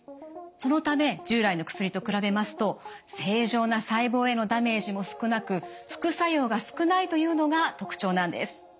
そのため従来の薬と比べますと正常な細胞へのダメージも少なく副作用が少ないというのが特徴なんです。